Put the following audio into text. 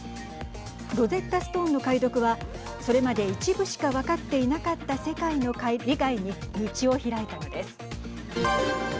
ロゼッタストーンの解読はそれまで一部しか分かっていなかった世界の理解に道を開いたのです。